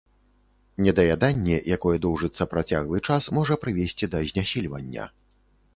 Недаяданне, якое доўжыцца працяглы час, можа прывесці да знясільвання.